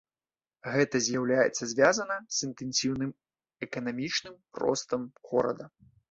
Гэта з'яўляецца звязана з інтэнсіўным эканамічным ростам горада.